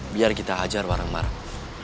biar kita hajar bareng bareng